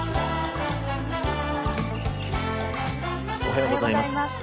おはようございます。